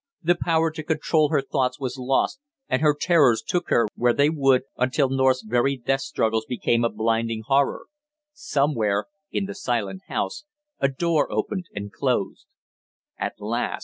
The power to control her thoughts was lost, and her terrors took her where they would, until North's very death struggles became a blinding horror. Somewhere in the silent house, a door opened and closed. "At last!"